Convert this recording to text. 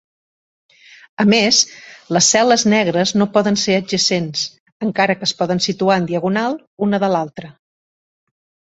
A més, les cel·les negres no poden ser adjacents, encara que es poden situar en diagonal una de l'altra.